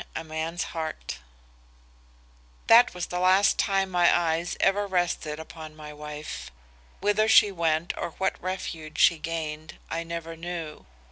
A MAN'S HEART "That was the last time my eyes ever rested upon my wife. Whither she went or what refuge she gained, I never knew.